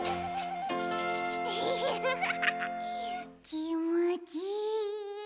きもちいい。